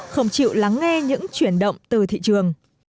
không chịu lắng nghe những chuyển động từ thị trường